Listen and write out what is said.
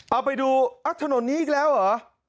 เอาไปดูถนนนี้อีกแล้วเหรอ